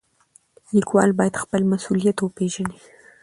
لیکوال باید خپل مسولیت وپېژني.